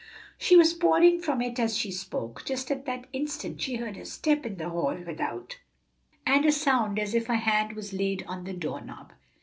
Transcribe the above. She was pouring from it as she spoke. Just at that instant she heard a step in the hall without, and a sound as if a hand was laid on the door knob.